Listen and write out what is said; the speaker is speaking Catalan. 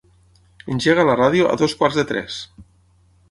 Engega la ràdio a dos quarts de tres.